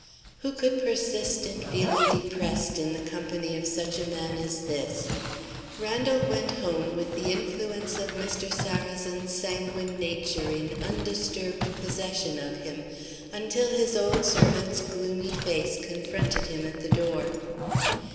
Who could persist in feeling depressed in the company of such a man as this? Randal went home with the influence of Mr. Sarrazin's sanguine nature in undisturbed possession of him, until his old servant's gloomy face confronted him at the door.